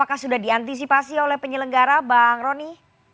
apakah sudah diantisipasi oleh penyelenggara bang roni